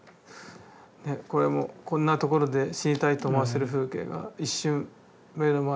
ねこれも「こんなところで死にたいと思わせる風景が、一瞬目の前を過ることがある。」と。